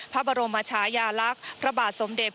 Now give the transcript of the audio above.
พระบรมชายาลักษณ์พระบาทสมเด็จ